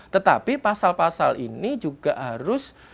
tetapi pasal pasal ini juga harus